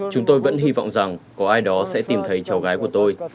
chúng tôi vẫn hy vọng rằng có ai đó sẽ tìm thấy cháu gái của tôi